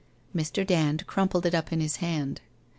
Mr. Dand crumpled it up in his hand.